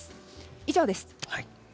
以上です。